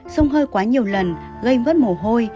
sông hơi quá nhiều lần gây mất mồ hôi